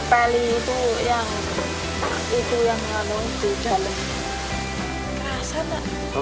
nepeli itu yang lalu di jalan